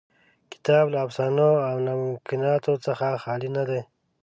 کتاب له افسانو او ناممکناتو څخه خالي نه دی.